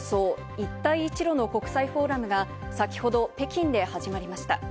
・一帯一路の国際フォーラムが先ほど北京で始まりました。